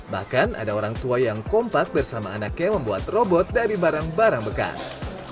bahkan ada orang tua yang kompak bersama anaknya membuat robot dari barang barang bekas